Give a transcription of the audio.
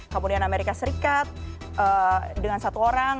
kemudian amerika serikat dengan satu orang